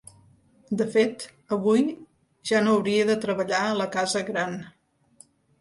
De fet, avui ja no hauria de treballar a la casa gran.